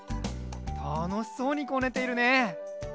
たのしそうにこねているね。